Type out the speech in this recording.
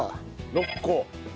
６個。